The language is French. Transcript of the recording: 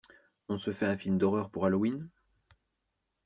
On se fait un film d'horreur pour Halloween?